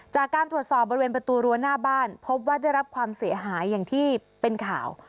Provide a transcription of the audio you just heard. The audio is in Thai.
จากการตรวจสอบบริเวณประตูรั้วหน้าบ้านพบว่าได้รับความเสียหายอย่างที่เป็นข่าว